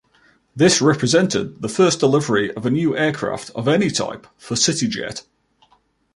This represented the first delivery of a new aircraft, of any type, for CityJet.